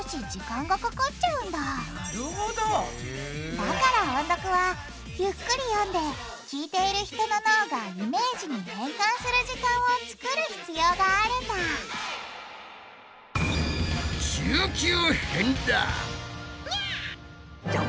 だから音読はゆっくり読んで聞いている人の脳がイメージに変換する時間をつくる必要があるんだじゃん！